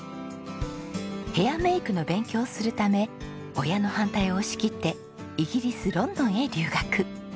ヘアメイクの勉強をするため親の反対を押し切ってイギリスロンドンへ留学。